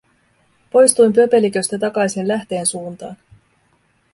Poistuin pöpeliköstä takaisin lähteen suuntaan.